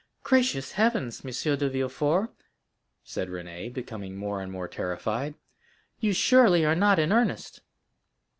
"Gracious heavens, M. de Villefort," said Renée, becoming more and more terrified; "you surely are not in earnest."